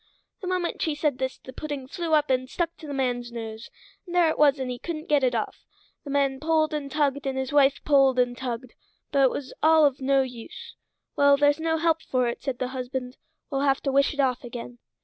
The moment she said this the pudding flew up and stuck to the man's nose, and there it was and he couldn't get it off; the man pulled and tugged, and his wife pulled and tugged, but it was all of no use. "Well, there's no help for it," said the husband; "we'll have to wish it off again."